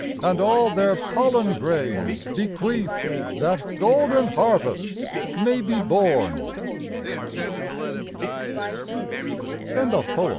And all their pollen grains bequeath That golden harvests may be born Extract fr "Persephone!'